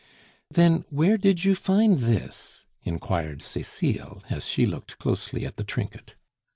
"Then, where did you find this?" inquired Cecile, as she looked closely at the trinket.